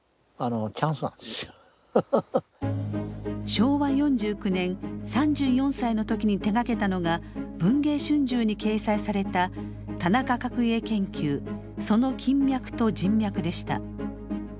昭和４９年３４歳の時に手がけたのが「文藝春秋」に掲載された「田中角栄研究その金脈と人脈」でした。